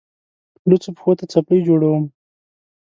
لوڅو پښو ته څپلۍ جوړوم.